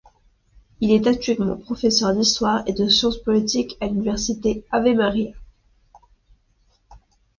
Il est actuellement professeur d'histoire et de science politique à l'université Ave Maria.